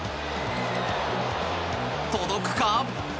届くか？